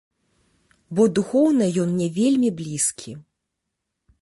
Бо духоўна ён мне вельмі блізкі.